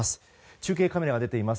中継カメラが出ています。